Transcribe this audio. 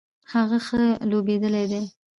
هغه ښه لوبیدلی دی